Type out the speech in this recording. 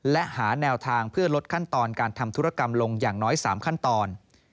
และหาแนวทางเพื่อลดขั้นตอนการทำธุรกรรมลงอย่างน้อย๓ขั้นตอน